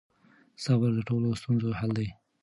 صبر د ټولو ستونزو حل دی.